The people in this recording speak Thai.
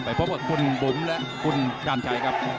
พบกับคุณบุ๋มและคุณชาญชัยครับ